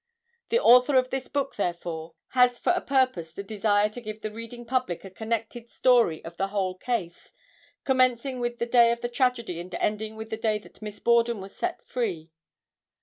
The author of this book therefore, has for a purpose the desire to give the reading public a connected story of the whole case, commencing with the day of the tragedy and ending with the day that Miss Borden was set free.